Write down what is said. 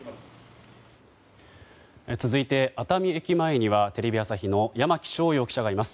続いて、熱海駅前にはテレビ朝日の山木翔遥記者がいます。